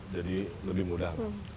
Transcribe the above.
jadi lebih mudah